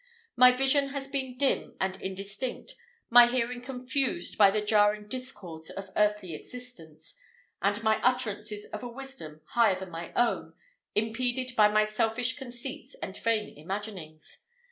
My vision has been dim and indistinct, my hearing confused by the jarring discords of earthly existence, and my utterances of a wisdom, higher than my own, impeded by my selfish conceits and vain imaginings.